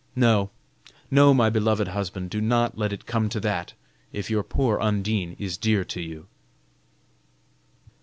No, no, my beloved husband, do not let it come to that, if your poor Undine is dear to you."